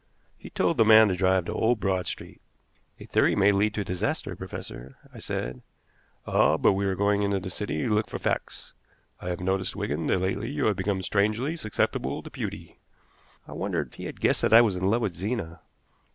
He told the man to drive to Old Broad Street. "A theory may lead to disaster, professor," I said. "Ah! but we are going into the city to look for facts. I have noticed, Wigan, that lately you have become strangely susceptible to beauty." I wondered if he had guessed that I was in love with Zena.